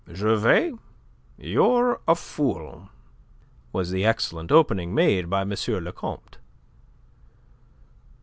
"Gervais, you're a fool," was the excellent opening made by M. le Comte.